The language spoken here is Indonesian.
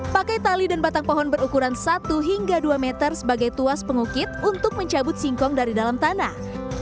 pakai tali dan batang pohon berukuran satu hingga dua meter sebagai tuas pengukit untuk mencabut singkong dari dalam tanah